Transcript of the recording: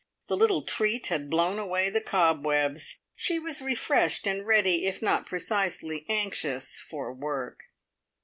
The little treat had blown away the cobwebs; she was refreshed and ready, if not precisely anxious, for work.